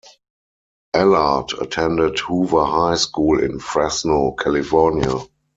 Ellard attended Hoover High School in Fresno, California.